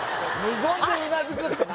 無言でうなずく